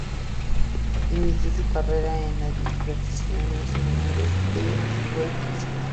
Inició su carrera en las divisiones menores del Swansea City.